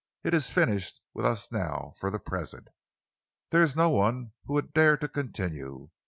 It is finished with us now for the present. There is no one who would dare to continue.